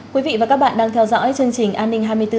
quý vị và các bạn đang theo dõi chương trình an ninh hai mươi bốn h